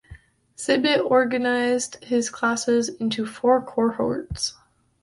Seibt organised his classes into four cohorts.